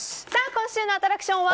今週のアトラクションは。